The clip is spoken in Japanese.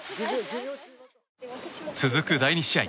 続く第２試合。